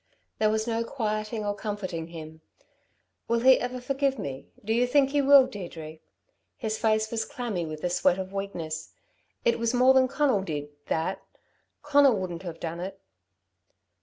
There was no quieting or comforting him. "Will he ever forgive me? Do you think he will, Deirdre?" His face was clammy with the sweat of weakness. "It was more than Conal did that. Conal wouldn't have done it."